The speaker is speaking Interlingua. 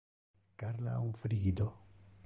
Carla ha un frigido.